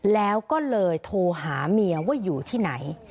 แล้วก็เลยโทรหาเมียว่าอยู่ที่ไหน